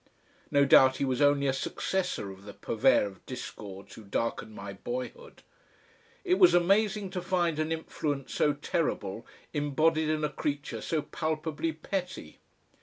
No doubt he was only a successor of the purveyor of discords who darkened my boyhood. It was amazing to find an influence so terrible embodied in a creature so palpably petty.